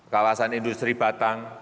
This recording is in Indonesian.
kawasan industri batang